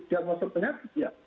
dia maksud penyakit ya